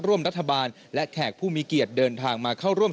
ร่วมรัฐบาลและแขกผู้มีเกียรติเดินทางมาเข้าร่วม